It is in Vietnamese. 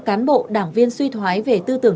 cán bộ đảng viên suy thoái về tư tưởng